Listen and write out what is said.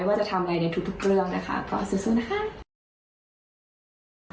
ไม่ว่าจะทำอะไรในทุกเรื่องขออสนุนนะคะ